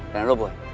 dan lu buat